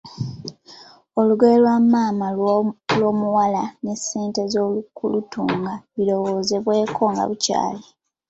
"Olugoye lwa maama w’omuwala, n’essente ez’okulutunga birowoozebweko nga bukyali."